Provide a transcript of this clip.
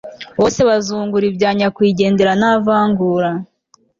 bose bazungura ibya nyakwigendera ntavangura